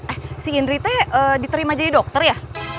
eh si indri teh diterima jadi dokter ya